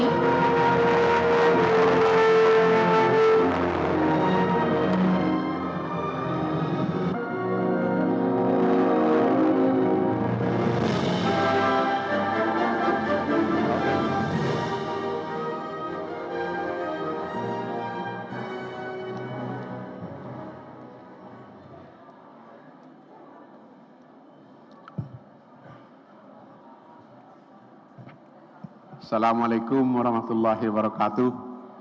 assalamualaikum warahmatullahi wabarakatuh